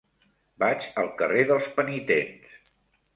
Vaig al carrer dels Penitents.